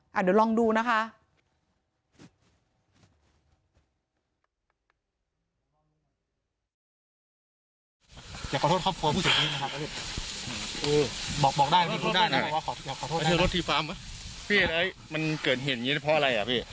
เดี๋ยวลองดูนะคะ